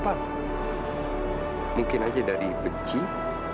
kamu tuh mau apa lagi sih